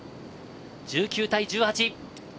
１９対１８。